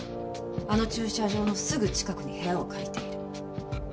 あの駐車場のすぐ近くに部屋を借りている。